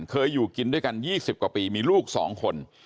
เคยอยู่กินด้วยกัน๒๐กว่าปีมีลูก๒คน